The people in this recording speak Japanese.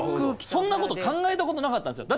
そんなこと考えたことなかったんですよ。